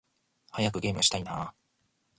早くゲームしたいな〜〜〜